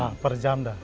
ya per jam dah